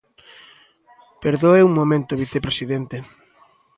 Perdoe un momento, vicepresidente.